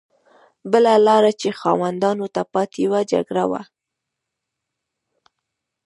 بله لار چې خاوندانو ته پاتې وه جګړه وه.